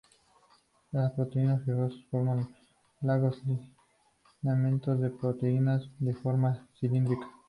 La proteína fibrosa forma largos filamentos de proteínas, de forma cilíndrica.